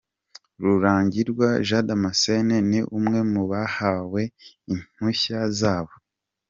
Rururangirwa Jean Damascene ni umwe mu bahawe impushya zabo.